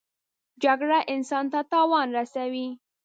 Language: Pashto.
جګړه انسان ته تاوان رسوي